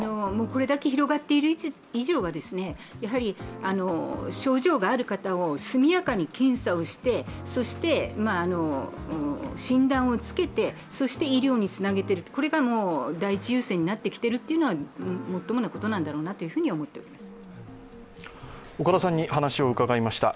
これだけ広がっている以上は症状がある方を速やかに検査をして、診断をつけてそして医療につなげていく、これが第一優先になってきているというのはもっともなことなんだろうなと思います。